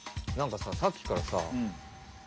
なんかささっきからさ